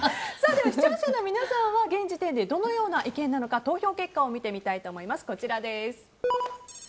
視聴者の皆さんは現時点でどのような意見なのか投票結果を見てみたいと思います。